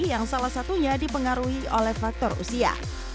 yang salah satunya dipengaruhi oleh faktor usia